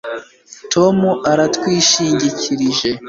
Tom aratwishingikirije